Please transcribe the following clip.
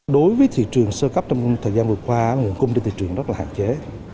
đối với thị trường sơ cấp trong thời gian vừa qua nguồn cung trên thị trường rất là hạn chế